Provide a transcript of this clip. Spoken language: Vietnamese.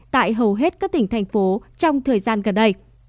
tại hầu hết các tỉnh thành phố trong thời gian gần đây